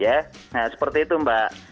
ya nah seperti itu mbak